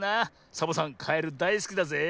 サボさんカエルだいすきだぜ。